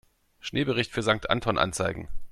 Schneebericht für Sankt Anton anzeigen.